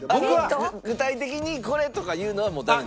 具体的にこれとか言うのはもうダメです。